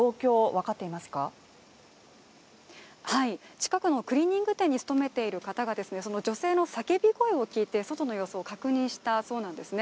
近くのクリーニング店に勤めている方がその女性の叫び声を聞いて外の様子を確認したそうなんですね。